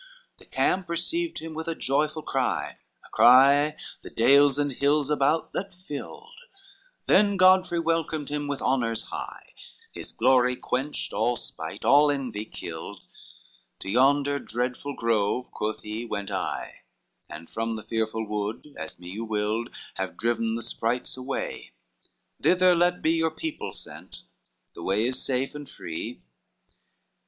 XL The camp received him with a joyful cry, A cry the dales and hills about that flied; Then Godfrey welcomed him with honors high, His glory quenched all spite, all envy killed: "To yonder dreadful grove," quoth he, "went I, And from the fearful wood, as me you willed, Have driven the sprites away, thither let be Your people sent, the way is safe and free."